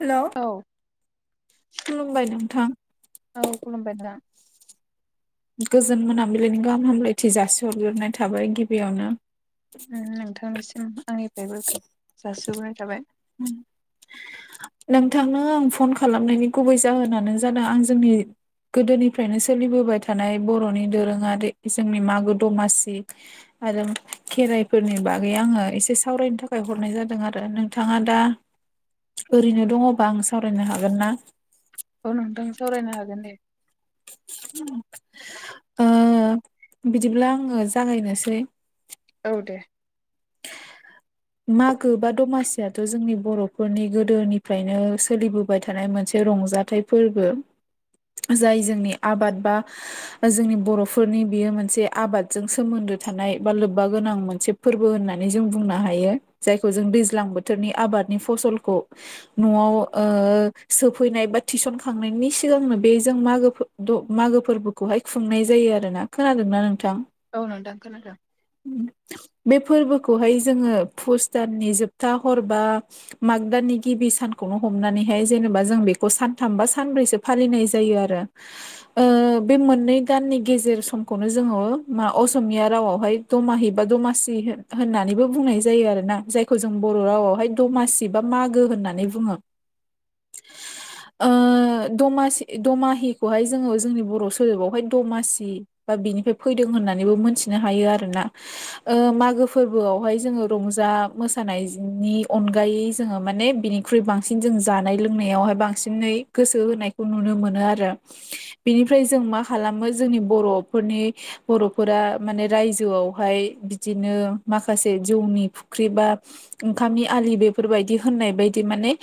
हेल'औ औ खुलुमबाय नोंथां। औ खुलुमबाय नोंथां। गोजोन मोनाबिलिनि गाहाम हामलायथि जासिहरग्रोननाय थाबाय गिबियावनो। उम नोंथांनिसिम आंनिफ्रायबो जासिहरनाय थाबाय। उम नोंथांनो आं फन खालामनायनि गुबै जाहोनानो जादों आं जोंनि गोदोनिफ्रायनो सोलिबोबाय थानाय बर'नि दोरोङारि जोंनि मागो दमासि आरो खेराइफोरनि बागै आङो एसे सावरायनो थाखाय हरनाय जादों आरो नों नोंथाङा दा ओरैनो दङबा आं सावरायनो हागोन ना? औ नोंथां सावरायनो हागोन दे। ओ बिदिब्ला आङो जागायनोसै। औ दे। मागो बा दमासियाथ' जोंनि बर'फोरनि गोदोनिफ्रायनो सोलिबोबाय थानाय मोनसे रंजाथाइ फोरबो जाय जोंनि आबाद बा जोंनि बर'फोरनि बियो मोनसे आबादजों सोमोन्दो थानाय बा लोब्बा गोनां मोनसे फोरबो होननानै जों बुंनो हायो जायखौ जों दैज्लां बोथोरनि आबादनि फसलखौ न'आव ओ सोफैनाय बा थिसनखांनायनि सिगांनो बेजों जों मागो द मागो फोरबोखौहाय खुंनाय जायो आरो ना खोनादोंना नोंथां? औ नोंथां खोनादों। बे फोरबोखौहाय जोङो फुस दाननि जोबथा हर बा माग दाननि गिबि सानखौनो हमनानैहाय जेनेबा जों बेखौ सानथाम बा सानब्रैसो फालिनाय जायो आरो ओ बे मोननै गाननि गेजेर समखौनो जोङो मा असमिया रावावहाय दमाहि बा दमासि होननानैबो बुंनाय जायो आरो ना। जायखौ जों बर' रावआवहाय दमासि बा मागो होननानै बुङो। [inaudible] ओ दमासि दमाहिखौहाय जोङो जोंनि बर' सोदोबावहाय दमासि बा बिनिफ्राय फैदों होननानैबो मोनथिनो हायो आरोना ओ मागो फोरबो आवहाय जोङो रंजा मोसानायनि अनगायै जोङो माने बेनिख्रुइ बांसिन जों जानाय लोंनायावहाय बां सिनै गोसो होनायखौ नुनो मोनो आरो बेनिफ्राय जों मा खालामो जोंनि बर'फोरनि बर'फोरा माने रायजोआवहाय बिदिनो माखासे जौनि फुख्रिबा ओंखामनि आलि बेफोरबायदि होननाय बायदि माने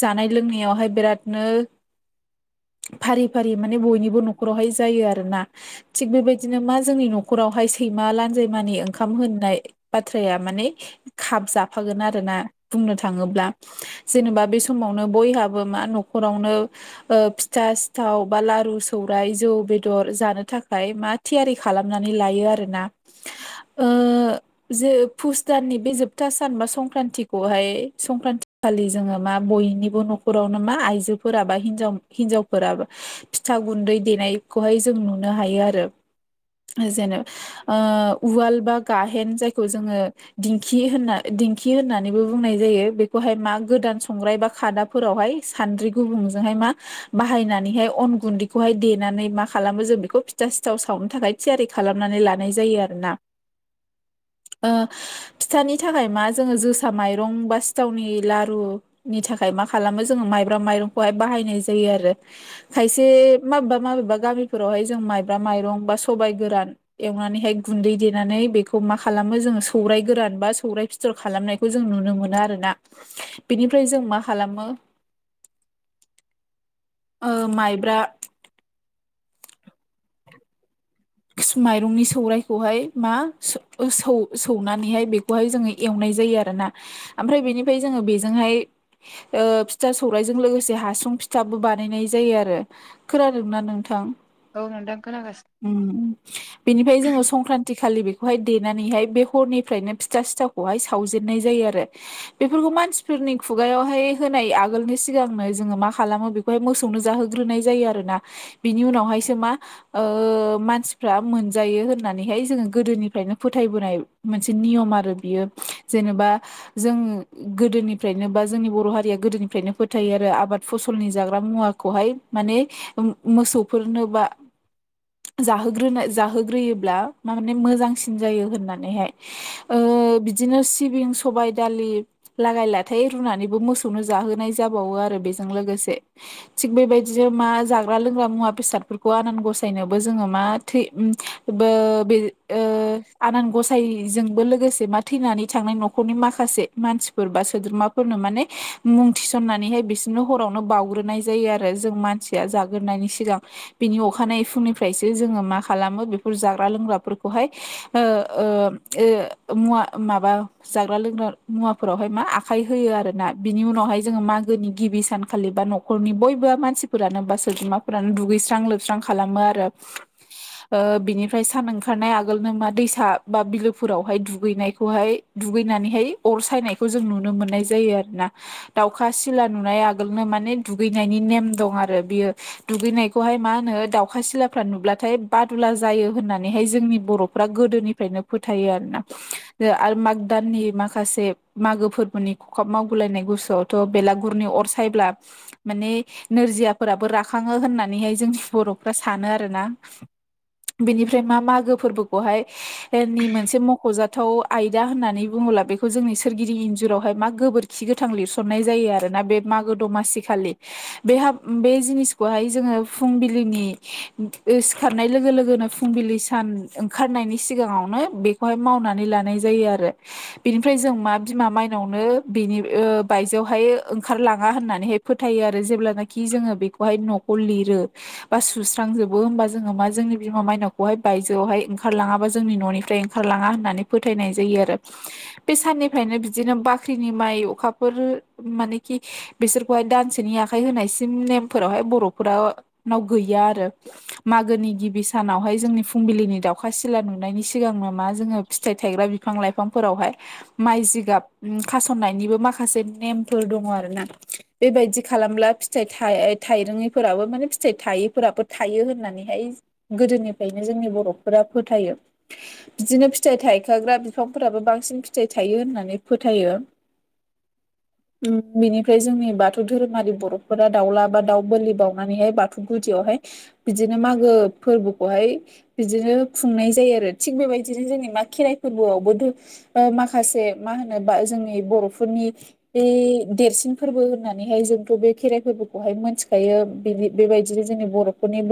जानाय लोंनायावहाय बेरादनो फारि फारि माने बयनिबो न'खरावहाय जायो आरोना थिग बेबायदिनो मा जोंनि न'खरावहाय सैमा लानजामानि ओंखाम होननाय बाथ्राया माने खाब जाफागोन आरोना बुंनो थाङोब्ला जेनेबा बे समावनो बयहाबो मा न'खरावनो फिथा सिथाव बा लारु सौराय जौ बेदर जानो थाखाय मा थियारि खालामनानै लायो आरोना ओ जे फुस दाननि बे जोबथा सान बा संक्रान्तिखौहाय संक्रान्ति खालि जोङो मा बयनिबो न' खरावनो मा आइजोफोरा बा हिनजाव हिन्जावफोराबो फिथा गुन्दै देनायखौहाय जों नुनो हायो आरो जेने ओ उवाल बा गाहेन जायखौ जोङो दि खि होनना दिंखि होननानैबो बुंनाय जायो बेखौहाय मा गोदान संग्राय बा खादा फोरावहाय सानद्रि गुबुंजोंहाय मा बाहायनानैहाय अन गुन्दैखौहाय देनानै मा खालामो जों बेखौ फिथा सिथाव सावनो थाखाय थियारि खालामनानै लानाय जायो आरोना। ओ फिथानि थाखाय मा जोङो जोसा माइरं बा सिथावनि लारु नि थाखाय मा खालामो जोङो माइब्रा माइरंखौहाय बाहायनाय जायो आरो खायसे माबेबा माबेबा गामिफोरावहाय जों माइब्रा माइरं बा सबाय गोरान एवनानैहाय गुन्दै देनानै बेखौ मा खालामो जोङो सौराय गोरान बा सौराइ फिथर खालामनायखौ जों नुनो मोना आरोना बेनिफ्राय जों मा खालामो ओ माइब्रा माइरंनि सौरायखौहाय मा सो सौ सौनानैहाय बे बेखौहाय जोङो एवनाय जायो आरोना ओमफ्राय बेनिफ्राय जोङो बेजोंहाय फिथा सौराइजों लोगोसे हासुं फिथाबो बानायनाय जायो आरो खोनादोंना नोंथां? औ नोंथां खोनागासि। ओम बिनिफ्राय जोङो संक्रान्ति खालि बेखौहाय देनानैहाय बे हरनिफ्रायनो फिथा सिथाव खौहाय सावजेननाय जायो आरो बेफोरखौ मानसिफोरनि खुगायावहाय होनाय आगोलनि सिगांनो जोङो मा खालामो बे बेहाय मोसौनो जाहोग्रोनाय जायो आरोना बिनि उनावहायसो मा ओ मानसिफ्रा मोनजायो होननानैहाय जोङो गोदोनिफ्रायनो फोथायबोनाय मोनसे नियम आरो बियो। जेनेबा जोङो गोदोनिफ्रायनो बा जोंनि बर' हारिया गोदोनिफ्रायनो फोथायो आरो आबाद फसलनि जाग्रा मुवा। खौहाय माने मोसौफोरनो बा जाहोग्रोनाय जाहोग्रोयोब्ला माने मोजांसिन जायो, होननानैहाय ओ बिदिनो सिबिं सबाय दालि लागाय लाथाय रुनानैबो मोसौनो जाहोनाय जाबावो आरो बेजों लोगोसे थिग बेबायदिनो मा जाग्रा लोंग्रा मुवा बेसादफोरखौ आनान गसायनो बो जोङो मा थै ओ बो ओआनान गसायजोंबो लोगोसे मा थैनानै थांनाय नखरनि माखासे मानसिफोर बा सोद्रोमाफोरनो माने मुं थिसननानैहाय बिसिरनो हरावनो बावग्रोनाय जायो आरो जों मानसिया जाग्रोनायनि सिगां। बिनि अखानायै फुंनि फ्रायसो जोङो मा खालामो बेफोर जाग्रा लोंग्राफोरखौहाय ओ ओ ओ मुवा माबा जाग्रा लोंग्रा मुवाफोरावहाय मा आखाइ होयो आरोना बिनि उनावहाय जोङो मा गोनि गिबि सानखालि बा न'खरनि बयबो मानसिफोरानो बा सोरोद्रोमाफोरानो दुगैस्रां लोबस्रां खालामो आरो। ओ बिनिफ्राय सान ओंखारनाय आगोलनो मा दैसा बा बिलोफोरावहाय दुगैनायखौहाय दुगैनानैहाय अर सायनायखौ जों नुनो मोननाय जायो आरो ना। दाउखा सिला नुनाय आगोलनो माने दुगैनायनि नेम दं आरो बियो। दुगैनायखौहाय मा होनो दाउखा सिला फ्रा नुब्लाथाय बादुला जायो होननानैहाय जोंनि बर'फ्रा गोदोनिफ्रायनो फोथायो आरोना। आरो माग दाननि माखासे मागो फोरबोनि खखाब मावबोलायनाय गुसुआव थह बेलागुरनि अर सायब्ला माने नोरजियाफोराबो राखाङो होननानैहाय जोंनि बर'फ्रा सानो आरो। बिनिफ्राय मा मागो फोरबोखौहाय मोनसे मख'जा थौ आयदा होननानै बुङोब्ला बेखौ जोंनि सोरगिदिं इन्जुरावहाय मा गोबोरखि गोथां लिरसननाय जायो। आरोना बे मागो दमासि खालि बेहा जिनिसखौहाय जोङो फुंबिलिनि सिखारनाय लोगो लोगोनो फुंबिलि सान ओंखारनायनि सिगाङावनो बे खौहाय मावनानै लानाय जायो। आरो बेनिफ्राय जों मा बिमा मायनावनो बेनि बायजोआवहाय ओंखारलाङा होननानैहाय फोथायो आरो जेब्लानाखि जोङो बेखौहाय न'खौ लिरो बा सु होखांजोबो होमबा जोङो मा जोंनि बिमा माइनावखौहाय बायजोआवहाय ओंखारलाङाबा जोंनि न'निफ्राय ओंखारलाङा होननानै फोथायनाय जायो आरो। बे साननिफ्रायनो बिदिनो बाख्रिनि माइ अखाफोर मानेखि बिसोरखौहाय दानसेनि आखाइ होनायसिम नेमफोरावहाय बर'फोरा नाव गैया आरो। मागोनि गिबि सानावहाय जोंनि फुंबिलिनि दाउखा सिला नुनायनि सि सिगां नो मा जोङो फिथाइ थायग्रा बिफां लाइफांफोरावहाय माइ जिगाब खासननायनिबो माखासे नेमफोर दङ आरो ना। बेबायदि खालामब्ला फिथाइ थाइ थाइरोङैफोराबो माने फिथाइ थायैफोराबो थायो होननानैहाय गोदोनिफ्रायनो जोंनि बर'फोरा फोथायो। बिदिनो फिथाइ थायखाग्रा बिफांफोराबो बांसिन फिथाइ थायो होननानै फोथायो। [inaudible] उम बिनिफ्राय जोंनि बाथौ धोरोमारि बर'फोरा दाउला बा दाउ बोलि बावनानैहाय बाथौ गुदियावहाय बिदिनो मागो फोरबोखौहाय बिदिनो खुंनाय जायो आरो थिग बेबायदिनो जोंनि मा खेराइ फोरबोआवबोथ माखासे मा होनो बा जोंनि बर'फोरनि बे देरसिन फोरबो होननानैहाय जोंथ' बे खेराइ फोरबोखौहाय मिथिखायो। बेबायदिनो जोंनि बर' नि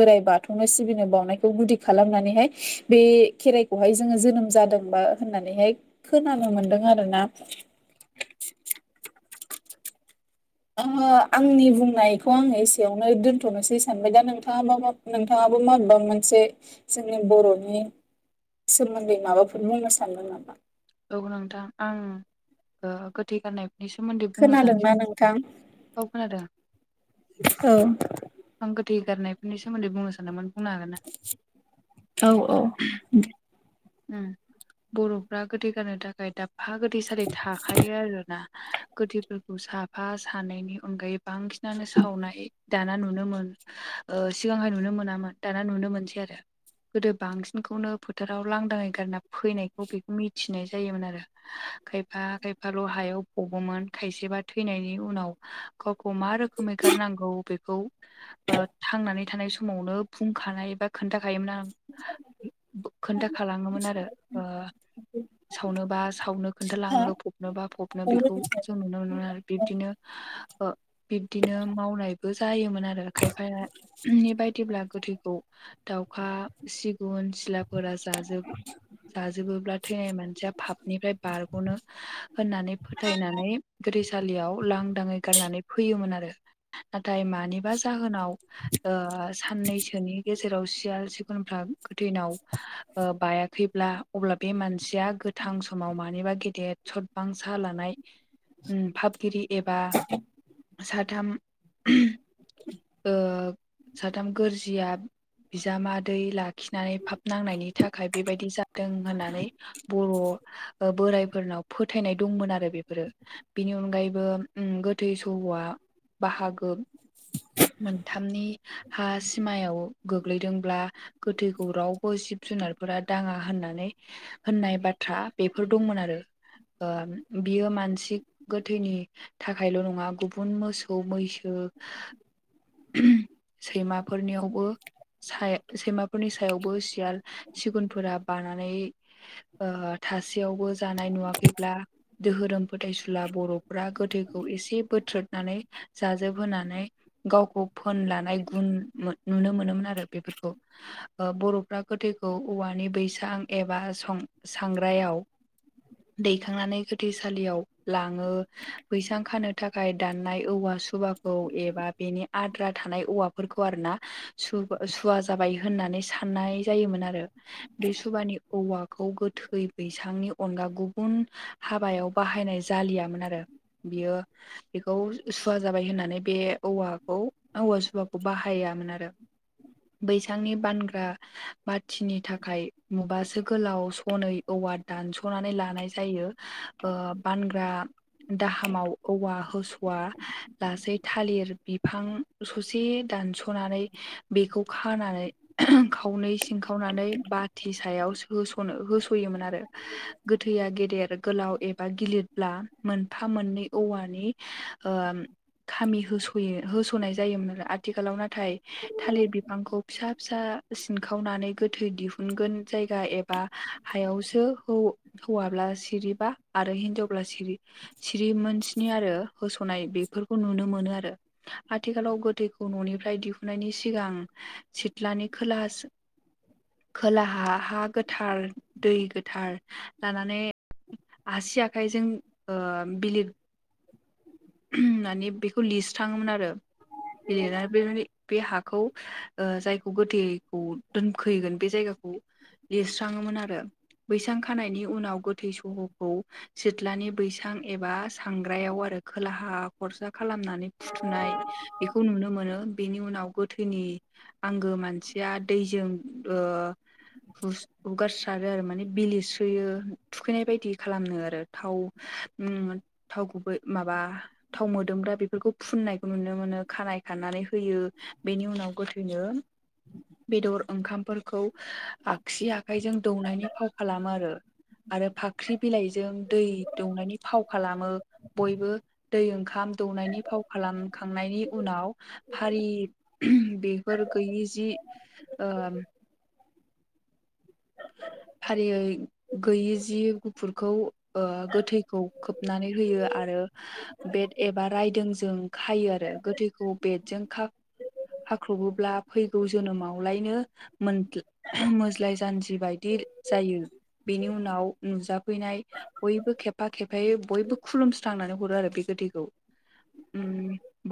बोराइ बाथौनो सिबिनो बावनायखौ गुदि खालामनानैहाय बे खेराइ बेखौहाय जोङो जोनोम जादोंबा होननानैहाय खोनानो मोन्दों आरोना। आंनि बुंनायखौ आङो एसेयावनो दोनथ'नोसै सानबाय दा नोंथाङा मा मा नोंथाङाबो माबेबा मोनसे जोंनि बर'नि सोमोन्दै माबाफोर बुंनो सानदों औ नोंथां आं ओ गोथै गारनाय नि सोमोन्दै बुंनो खोनादोंना सान्दों नोंथां? औ खोनादों। औ आं गोथै गारनायफोरनि सोमोन्दै बुंनो सानदोंमोन बुंनो हागोना? औ औ। उम बर'फ्रा गोथै गारनो थाखाय दाबफा गोथैसलि थाखायो आरोना। गोथैफोरखौ साफा सानैनि अनगायै बांसिनानो सावनाय दाना नुनो मो ओ सिगांहाय नुनो मोनामोन दाना नुनो मोनसै आरो। गोदो बांसिनखौनो फोथाराव लांदाङै गारना फैनायखौ बेखौ मिथिनाय जायोमोन आरो। खायफा खायफाल' हायाव फबोमोन खायसेबा थैनायनि उनाव गावखौ मा रोखोमै गारनांगौ बेखौ ओ थांनानै थानाय समावनो बुंखानायबा खोन्थाखायोमोन खोनथा लाङोमोन आरो सावनोबा सावनो हा खोन्थालाङो फबनोबा फबनो बेखौ जों नुनो मोनो आरो बिबदिनो ओ बिब्दिनो मावनायबो जायोमोन आरो खायफाया नि बायदिब्ला गोथैखौ दाउखा सिगुन सिलाफोरा जाजो जाजोबोब्ला थैनाय मानसिया फाबनिफ्राय बारग'नो होननानै फोथायनानै गोथै सालियाव लांदाङै गारनानै फैयोमोन आरो नाथाय मानिबा जाहोनाव ओ साननैसोनि गेजेराव सियाल सिगुनफ्रा गोथैनाव बायाखैब्ला अब्ला बे मानसिया गोथां समाव मानिबा गेदेर सदबांसा लानाय उम फाबगिरि एबा साथाम ओ साथाम गोरजिया बिजामादै लाखिनानै फाब नांनायनि थाखाय बेबायदि जादों होननानै बर' बोराइफोरनाव फोथायनाय दंमोन आरो बेफोरो। बिनि अनगायैबो गोथै सहआ बाहागो मोनथामनि हा सिमायाव गोग्लैदोंब्ला गोथैखौ रावबो सि जुनारफोरा दाङा होननानै होननाय बाथ्रा बेफोर दंमोन आरो। ओ बियो मानसि गोथैनि थाखायल' नङा गुबुन मोसौ मैसो सैमाफोरनियावबो सैमाफोरनि सायावबो सियाल सिगुनफोरा बानानै ओ थासेयावबो जानाय नुवाखैब्ला दोहोरोम फोथायसुला बर'फ्रा गोथैखौ एसे बोथ्रोनानै जाजोबहोनानै गावखौ फोन लानाय गुन नुनो मोनोमोन आरो बेफोरखौ बर'फ्रा। गोथैखौ औवानि बैसां एबा सं सांग्रायाव दैखांनानै गोथैसालियाव लाङो बैसां खानो थाखाय दाननाय औवा सुबा औ एबा बेनि आद्रा थानाय औवाफोरखौ आरो ना सुवा जाबाय होननानै साननाय जायोमोन आरो बे सुबानि औवाखौ गोथै बैसांनि अनगा गुबुन हाबायाव बाहायनाय जालियामोन आरो बियो बेखौ सुवा जाबाय होननानै बे औवाखौ औवा सुवाखौ बाहायामोन आरो। बैसांनि बानग्रा बाथिनि थाखाय मुबासो गोलाव सनै औवा दानस'नानै लानाय जायो। ओ बानग्रा दाहामाव औवा होस'वा लासै थालिर बिफां ससे दानस'नानै बेखौ खानानै खावनै नानै बा सायाव होसनो होस'योमोन आरो गोथैया गेदेर गोलाव एबा गिलिरब्ला मोनफा मोननै औवानि ओ खामि होस'यो होस'नाय जायोमोन आरो आ आथिखालाव नाथाय थालिर बिफांखौ फिसा फिसा सिनखौ सिखावनानै गोथै दिहुनगोन जायगा एबा हायावसो हौवाब्ला सिरिबा आरो हिनजावब्ला सिरि सिरिमोन स्नि आरो होस'नाय बेफोरखौ नुनो मोनो आरो आथिखालाव गोथैखौ न'निफ्राय दिहुननायनि सिगां सिथ्लानि खोला खोलाहा हा गोथार दै गोथार लानानै आसि आखाइजों बिलिर मानि बेखौ लिस्राङोमोन आरो [unintelligible] आरो बे बे हाखौ जायखौ गोथैखौ दोनफैगोन बे जायगाखौ लिरस्राङोमोन आरो बैसां खानायनि उनाव गोथै सहखौ सिथ्लानि बैसां एबा सांग्रायाव आरो खोलाहा खरसा खालामनानै फुथुनाय बेखौ नुनो मोनो बेनि उनाव गोथैनि आंगो मानसिया दैजों ओ हुस हुगारसारो आरो माने बिलो सोयो थुखैनाय बायदि खालामो आरो थाव थाव गुबै माबा थाव मोदोमग्रा बेफोरखौ फुननायखौ नुनो मोनो खानाय खानानै होयो बेनि उनाव गोथैनो बेदर ओंखामफोरखौ आगसि आखाइजों दौनायनि फाव खालामो आरो आरो फाख्रि बिलाइजों दै दौनायनि फाव खालामो बयबो दै ओंखाम दौनायनि फाव खालामखांनायनि उनाव फारि बेफोर गैयि जि ओ फारियै गैयि जि गुफुरखौ गोथैखौ खोबनानै होयो आरो बेट एबा रायदोंजों खायो आरो गोथैखौ बेटजों खा ख्र'बोब्ला फैगौ जोनोमावलायनो मोज्लाय जानजि जिबायदि जायो बेनि उनाव नुजाफैनाय बयबो खेबफा खेबहायै बयबो खुलुमस्रांनानै हरो आरो बे गोथैखौ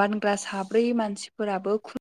बानग्रा साब्रै मानसिफोराबो खु